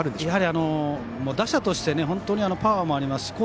やはり打者として本当にパワーもあります